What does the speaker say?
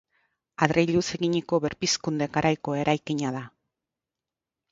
Adreiluz eginiko Berpizkunde garaiko eraikina da.